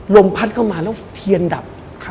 ลมพัดเข้ามาแล้วเทียนดับ